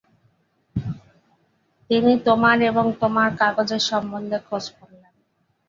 তিনি তোমার এবং তোমার কাগজের সম্বন্ধে খোঁজ করলেন।